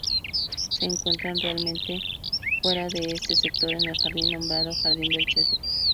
Se encuentran realmente fuera de este sector, en el jardín nombrado "jardín del cedro".